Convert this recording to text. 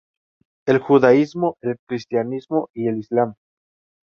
El judaísmo, el cristianismo y el islam.